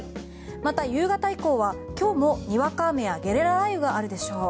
また夕方以降は今日もにわか雨やゲリラ雷雨があるでしょう。